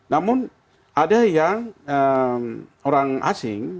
namun ada yang orang asing